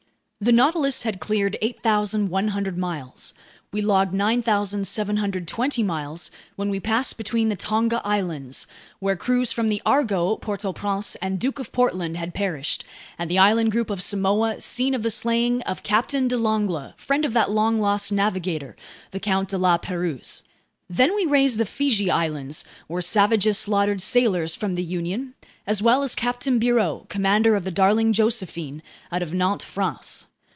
The Nautilus had cleared 8,100 miles. We logged 9,720 miles when we passed between the Tonga Islands, where crews from the Argo, Port au Prince, and Duke of Portland had perished, and the island group of Samoa, scene of the slaying of Captain de Langle, friend of that long lost navigator, the Count de La Pérouse. Then we raised the Fiji Islands, where savages slaughtered sailors from the Union, as well as Captain Bureau, commander of the Darling Josephine out of Nantes, France.